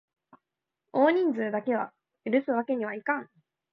多人数だけは許すわけにはいかん！